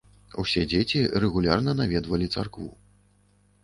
Усе дзеці рэгулярна наведвалі царкву.